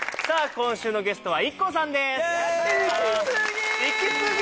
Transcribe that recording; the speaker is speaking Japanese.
今週のゲストはＩＫＫＯさんです・イキスギ！